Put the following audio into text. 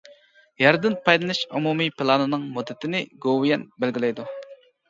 يەردىن پايدىلىنىش ئومۇمىي پىلانىنىڭ مۇددىتىنى گوۋۇيۈەن بەلگىلەيدۇ.